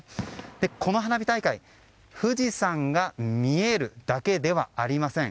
この花火大会、富士山が見えるだけではありません。